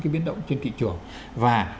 cái biến động trên thị trường và